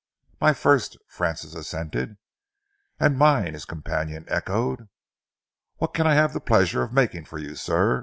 "My first," Francis assented. "And mine," his companion echoed. "What can I have the pleasure of making for you, sir?"